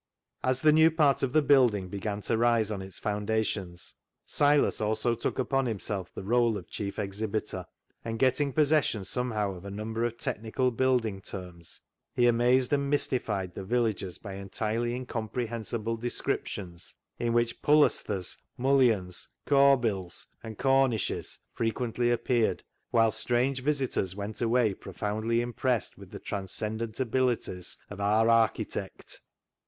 "THE ZEAL OF THINE HOUSE" 353 As the new part of the building began to rise on its foundations, Silas also took upon himself the role of chief exhibitor ; and getting possession somehow of a number of technical building terms, he amazed and mystified the villagers by entirely incomprehensible descrip tions, in which pullasthurs (pilasters), mullions, corbills (corbels), and cornishes frequently appeared, whilst strange visitors went away profoundly impressed with the transcendent abilities of " Aar artchitect."